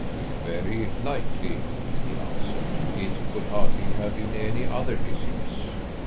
"Very likely," he answered. "It could hardly have been any other disease."